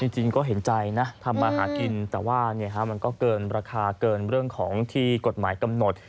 จริงก็เห็นใจนะทำมาหากินแต่ว่ามันก็เกินราคาเกินเรื่องของที่กฎหมายกำหนด